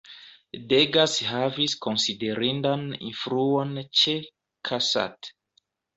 Degas havis konsiderindan influon ĉe Cassatt.